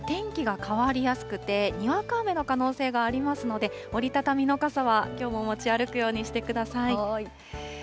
ただ、天気が変わりやすくて、にわか雨の可能性がありますので、折り畳みの傘はきょうも持ち歩くようにしてください。